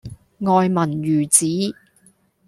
愛民如子